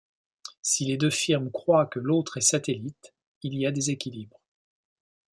Si les deux firmes croient que l'autre est satellite, il y a déséquilibre.